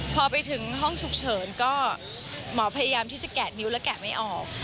พอไปถึงห้องฉุกเฉินก็หมอพยายามที่จะแกะนิ้วและแกะไม่ออก